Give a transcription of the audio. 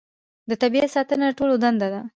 د طبیعت ساتنه د ټولو دنده ده